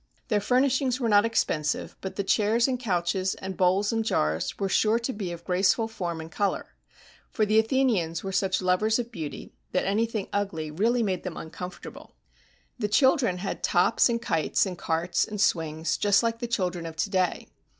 Their furnish ings were not expensive, but the chairs and couches and bowls and jars were sure to be of graceful form and color ; for the Athenians were such lovers of beauty that anything ugly really made them uncomfortable. 127 GREECE The children had tops and kites and carts and swings, just like the children of to day.